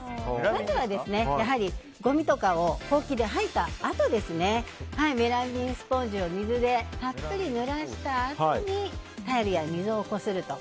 まずは、やはりごみとかをほうきで掃いたあとメラミンスポンジを水でたっぷり濡らした後あとタイルや溝をこすると。